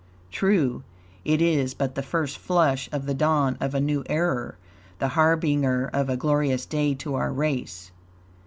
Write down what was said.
True, it is but the first flush of the dawn of a new era, the harbinger of a glorious day to our race.